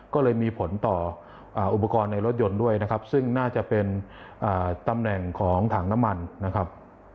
ก็เลยมีผลต่ออุปกรณ์ในรถยนต์ด้วยนะครับซึ่งน่าจะเป็นตำแหน่งของถังน้ำมันนะครับ